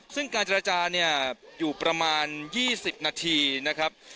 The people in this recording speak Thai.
ซึ่งการเจรจาเนี่ยอยู่ประมาณ๒๐นาทีนะครับ